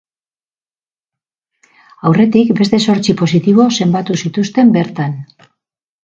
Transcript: Aurretik beste zortzi positibo zenbatu zituzten bertan.